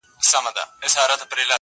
ځکه دغسي هوښیار دی او قابِل دی,